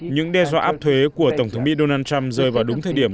những đe dọa áp thuế của tổng thống mỹ donald trump rơi vào đúng thời điểm